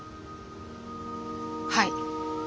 はい。